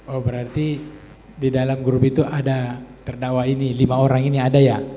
oh berarti di dalam grup itu ada terdakwa ini lima orang ini ada ya